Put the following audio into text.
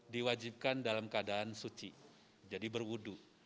diwajibkan dalam keadaan suci jadi berwudu